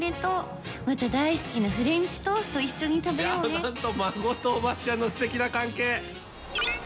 「いやぁ何とも孫とおばあちゃんのすてきな関係」。